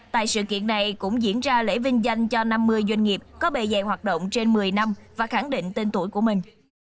tại sự kiện này cũng diễn ra lễ vinh danh cho năm mươi doanh nghiệp có bề dày hoạt động trên một mươi năm và khẳng định tên tuổi của mình